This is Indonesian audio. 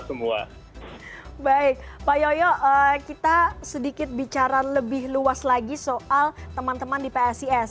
baik pak yoyo kita sedikit bicara lebih luas lagi soal teman teman di psis